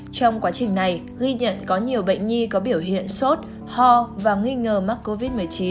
trong quá trình này ghi nhận có nhiều bệnh nhi có biểu hiện sốt ho và nghi ngờ mắc covid một mươi chín